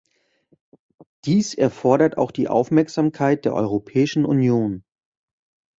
Dies erfordert auch die Aufmerksamkeit der Europäischen Union.